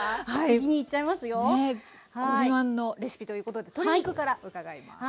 ねっご自慢のレシピということで鶏肉から伺います。